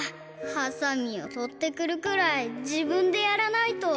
ハサミをとってくるくらいじぶんでやらないと。